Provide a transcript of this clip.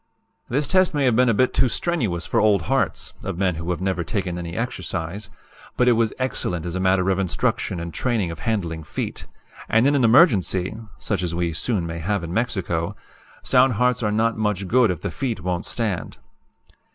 "This test may have been a bit too strenuous for old hearts (of men who had never taken any exercise), but it was excellent as a matter of instruction and training of handling feet and in an emergency (such as we soon may have in Mexico) sound hearts are not much good if the feet won't stand.